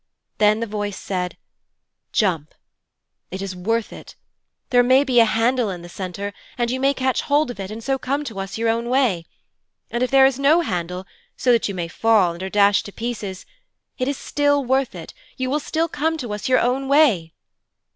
Then the voice said: "Jump. It is worth it. There may be a handle in the centre, and you may catch hold of it and so come to us your own way. And if there is no handle, so that you may fall and are dashed to pieces it is till worth it: you will still come to us your own way."